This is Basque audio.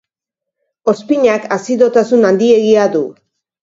Ozpinak azidotasun handiegia du.